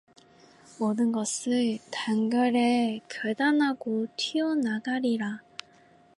모든 것을 단결에 결단하고 튀어 나가리라.